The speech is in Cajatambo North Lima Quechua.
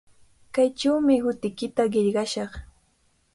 Kaychawmi hutiykita qillqashaq.